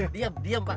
diam diam pak